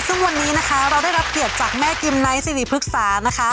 ซึ่งวันนี้นะคะเราได้รับเกียรติจากแม่กิมไนท์สิริพฤกษานะคะ